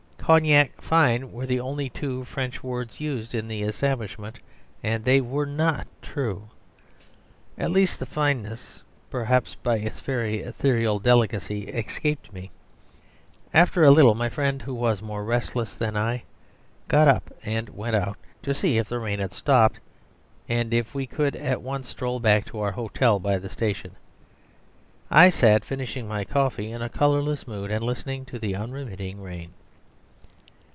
"Cognac fine" were the only two French words used in the establishment, and they were not true. At least, the fineness (perhaps by its very ethereal delicacy) escaped me. After a little my friend, who was more restless than I, got up and went out, to see if the rain had stopped and if we could at once stroll back to our hotel by the station. I sat finishing my coffee in a colourless mood, and listening to the unremitting rain.